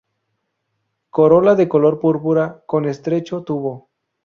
Corola de color púrpura con estrecho tubo.